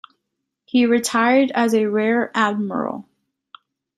He retired as a rear admiral.